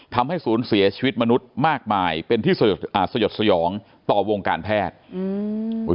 ทำให้ศูนย์เสียชีวิตมนุษย์มากมายเป็นที่สยดสยองต่อวงการแพทย์